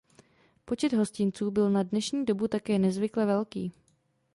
Počet hostinců byl na dnešní dobu také nezvykle velký.